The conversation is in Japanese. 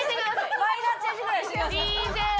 マイナーチェンジぐらいしてください。